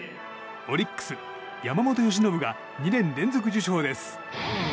オリックス、山本由伸が２年連続受賞です。